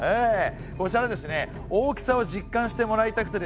こちらはですね大きさを実感してもらいたくてですね